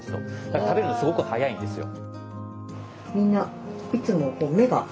だから食べるのすごく速いんですよ。